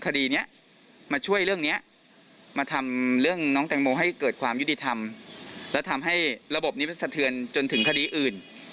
คดีนี้มาช่วยเรื่องนี้มาทำเรื่องน้องแตงโมให้เกิดความยุติธรรมและทำให้ระบบนี้มันสะเทือนจนถึงคดีอื่น